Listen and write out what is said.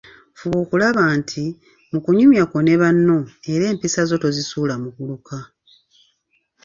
Fuba okulaba nti, mu kunyumya kwo ne banno era empisa zo tozisuula muguluka.